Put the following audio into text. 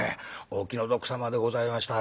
お気の毒さまでございました。